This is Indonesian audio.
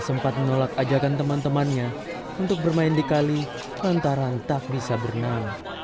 sempat menolak ajakan teman temannya untuk bermain di kali lantaran tak bisa berenang